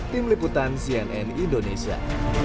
tim liputan cnn indonesia